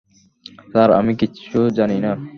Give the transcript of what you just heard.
Sir, আমি কিচ্ছু জানি না।